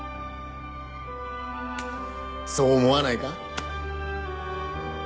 そう思わないか？